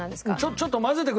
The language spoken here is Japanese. ちょっと混ぜてくださいね